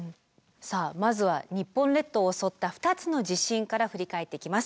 さあまずは日本列島を襲った２つの地震から振り返っていきます。